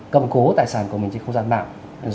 cầm cố tài sản của mình trên không gian mạng